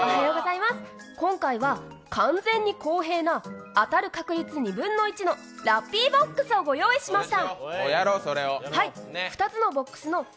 今回は完全に公平な当たる確率２分の１のラッピーボックスをご用意しました。